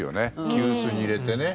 急須に入れてね。